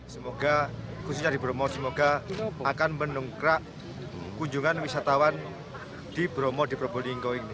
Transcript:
semoga khususnya di bromo semoga akan menungkrak kunjungan wisatawan di bromo di probolinggo ini